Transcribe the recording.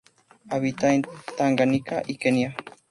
Habita en Tanganica y Kenia.